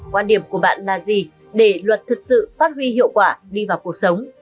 quan điểm của bạn là gì để luật thực sự phát huy hiệu quả đi vào cuộc sống